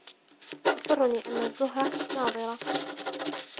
يَسُرُّنِي أَنَّ الزُّهْرَةَ نَاضِرَةٌ.